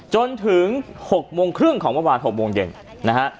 จนถึง๖โมงครึ่งของเมื่อวาน๖โมงเย็นนะฮะ